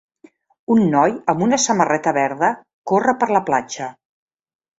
Un noi amb una samarreta verda corre per la platja.